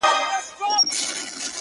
په کومه ورځ چي مي ستا پښو ته سجده وکړله،